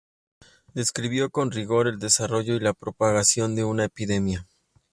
Describió con rigor el desarrollo y la propagación de una epidemia.